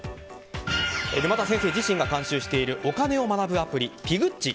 沼田先生自身が監修しているお金を学ぶアプリピグっち。